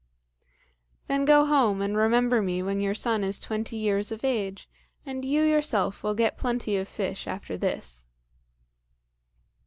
"Then go home, and remember me when your son is twenty years of age, and you yourself will get plenty of fish after this."